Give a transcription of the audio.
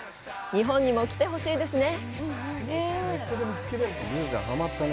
日本にも来てほしいですね！